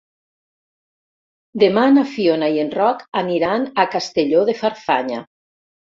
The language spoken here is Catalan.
Demà na Fiona i en Roc aniran a Castelló de Farfanya.